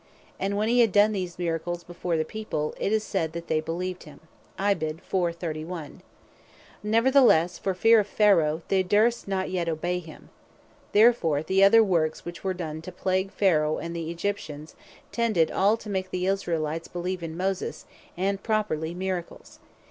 And when hee had done these Miracles before the people, it is said (verse 41.) that "they beleeved him." Neverthelesse, for fear of Pharaoh, they durst not yet obey him. Therefore the other works which were done to plague Pharaoh and the Egyptians, tended all to make the Israelites beleeve in Moses, and were properly Miracles.